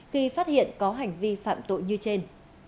khi phát hiện có hành vi phạm tội như trên